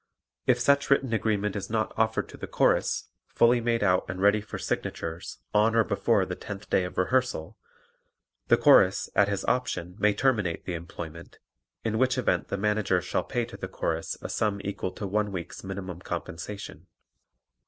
If such written agreement is not offered to the Chorus, fully made out and ready for signatures, on or before the tenth day of rehearsal, the Chorus, at his option may terminate the employment, in which event the Manager shall pay to the Chorus a sum equal to one week's minimum compensation.